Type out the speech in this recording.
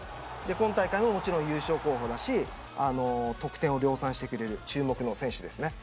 今大会も、もちろん優勝候補だし得点を量産してくれる注目の選手です。